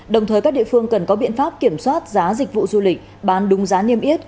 đồng thời các địa phương cần có biện pháp kiểm soát giá dịch vụ du lịch bán đúng giá niêm yết